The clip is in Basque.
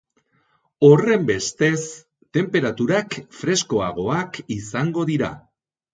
Horrenbestez, tenperaturak freskoagoak izango dira.